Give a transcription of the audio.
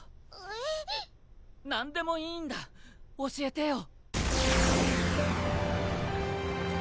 えっ？何でもいいんだ教えてよ！